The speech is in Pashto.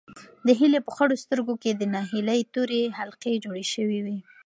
د هیلې په خړو سترګو کې د ناهیلۍ تورې حلقې جوړې شوې وې.